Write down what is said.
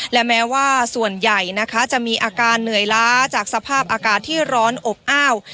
และแม้ว่าส่วนใหญ่นะคะจะมีอาการเหนื่อยล้าจากสภาพอากาศที่ร้อนอบอ้าว